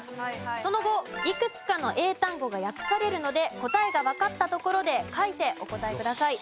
その後いくつかの英単語が訳されるので答えがわかったところで書いてお答えください。